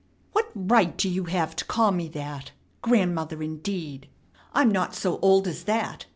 "What right have you to call me that? Grandmother, indeed! I'm not so old as that.